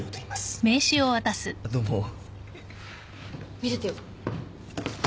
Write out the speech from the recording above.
見せてよ。